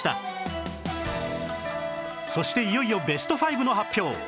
そしていよいよベスト５の発表